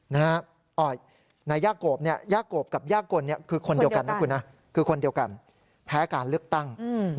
นายย่ากลกับย่ากลคือคนเดียวกันแพ้การเลือกตั้ง